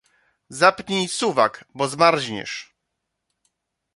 Zapnij suwak, bo zmarzniesz.